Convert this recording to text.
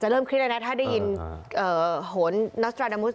เริ่มคิดแล้วนะถ้าได้ยินโหนนัสตราดามุส